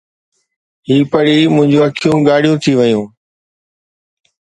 هي پڙهي منهنجيون اکيون ڳاڙهيون ٿي ويون.